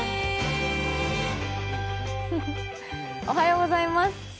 おはようございます。